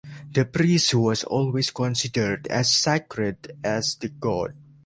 The priest was always considered as sacred as the god.